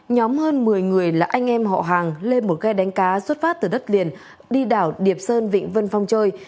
nhóm hơn một mươi người là anh em họ hàng lên một ghe đánh cá xuất phát từ đất liền đi đảo điệp sơn vịnh vân phong chơi